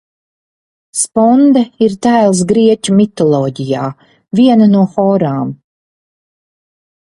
Sponde ir tēls grieķu mitoloģijā, viena no horām.